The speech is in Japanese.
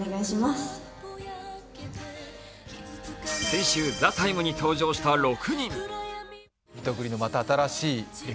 先週、「ＴＨＥＴＩＭＥ，」に登場した６人。